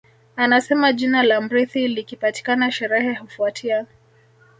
Anasema jina la mrithi likipatikana sherehe hufuatia